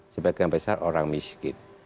sebagian besar orang miskin